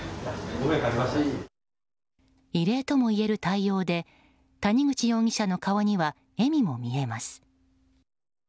異例ともいえる対応で谷口容疑者の顔には笑みも見えます。